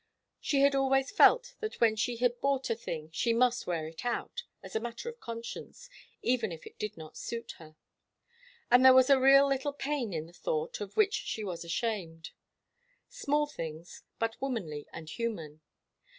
She had always felt that when she had bought a thing she must wear it out, as a matter of conscience, even if it did not suit her. And there was a real little pain in the thought, of which she was ashamed. Small things, but womanly and human.